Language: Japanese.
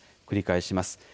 繰り返します。